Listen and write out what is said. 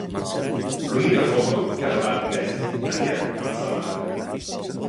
L'única foto que l'Ernest tenia amb sa mare.